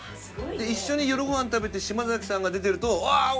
一緒に夜ご飯食べて島崎さんが出てると「あっ俺好きなんだよ